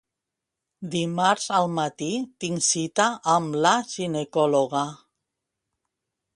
Dimarts al matí tinc cita amb la ginecòloga.